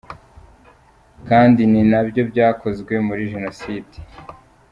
Kandi ni nabyo byakozwe muri Jenoside.